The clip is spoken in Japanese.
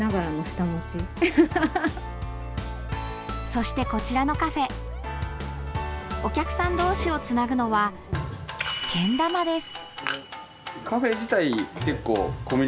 そして、こちらのカフェお客さん同士をつなぐのはけん玉です。